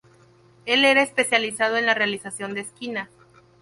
Él era especializado en la realización de esquinas.